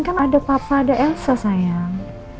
kan ada papa ada elsa sayang